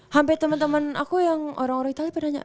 sampai temen temen aku yang orang orang itali pada nanya